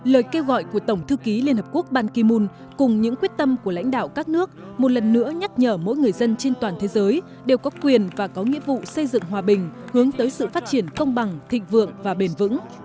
lời kêu gọi của tổng thư ký liên hợp quốc ban kim mun cùng những quyết tâm của lãnh đạo các nước một lần nữa nhắc nhở mỗi người dân trên toàn thế giới đều có quyền và có nghĩa vụ xây dựng hòa bình hướng tới sự phát triển công bằng thịnh vượng và bền vững